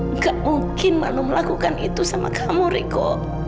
nggak mungkin manu melakukan itu sama kamu riko